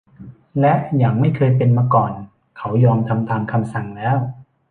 และอย่างไม่เคยเป็นมาก่อน เขายอมทำตามคำสั่งแล้ว